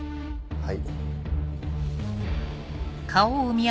はい！